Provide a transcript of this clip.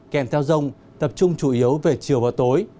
kèm theo rông tập trung chủ yếu về chiều và tối